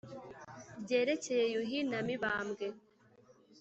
Ryerekeye Yuhi na Mibambwe !